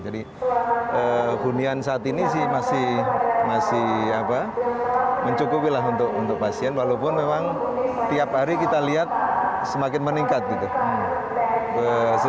jadi gunian saat ini sih masih mencukupi lah untuk pasien walaupun memang tiap hari kita lihat semakin meningkat gitu